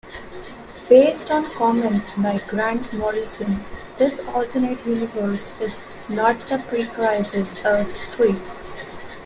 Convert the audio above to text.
Based on comments by Grant Morrison, this alternate universe is not the pre-Crisis Earth-Three.